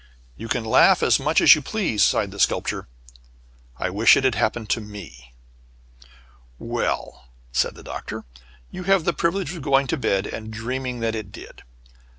"You can laugh as much as you please," sighed the Sculptor, "I wish it had happened to me." "Well," said the Doctor, "you have the privilege of going to bed and dreaming that it did."